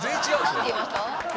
何て言いました？